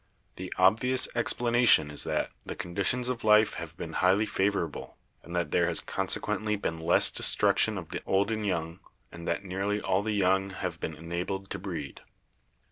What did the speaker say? The obvious explanation is that the conditions of life have been highly favorable, and that there has consequently been less destruction of the old and young, and that nearly all the young have been enabled to breed.